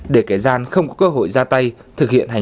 để kẻ gian không có cơ hội ra tay thực hiện hành